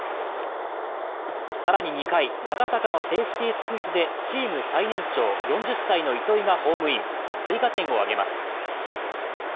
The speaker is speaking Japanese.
更に２回、長坂のセーフティスクイズでチーム最年長、４０歳の糸井がホームイン、追加点を挙げます。